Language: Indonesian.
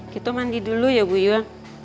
kita mandi dulu ya buya